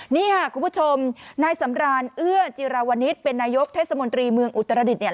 นี่ค่ะคุณผู้ชมนายสำรานเอื้อจิราวนิษฐ์เป็นนายกเทศมนตรีเมืองอุตรดิษฐเนี่ย